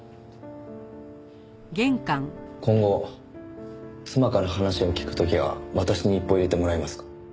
今後妻から話を聞く時は私に一報入れてもらえますか？